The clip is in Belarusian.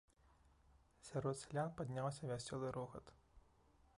Сярод сялян падняўся вясёлы рогат.